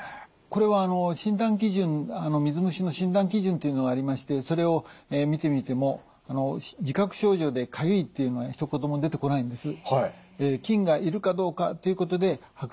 これは水虫の診断基準っていうのがありましてそれを見てみても自覚症状でかゆいっていうのはひと言も出てこないんです。